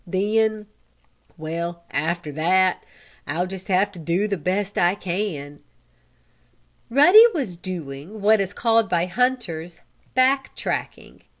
Then well, after that, I'll have to do the best I can." Ruddy was doing what is called, by hunters, "back tracking."